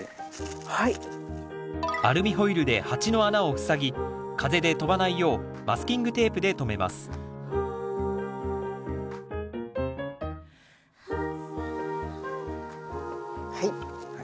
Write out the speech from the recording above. アルミホイルで鉢の穴を塞ぎ風で飛ばないようマスキングテープで留めますはい。